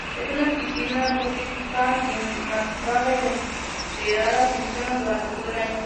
Es una piscina pública climatizada y temperada, funciona durante todo el año.